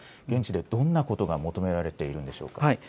現地でどんなことが求められているんでしょうか。